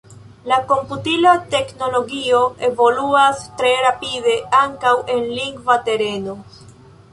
La komputila teknologio evoluas tre rapide ankaŭ en lingva tereno.